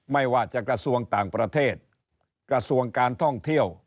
ไม่ว่าจะกระทรวงต่างประเทศกระทรวงการท่องเที่ยว